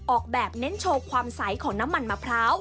ออกแบบเน้นโชว์ความใสของน้ำมันมะพร้าว